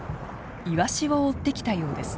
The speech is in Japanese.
イワシを追ってきたようです。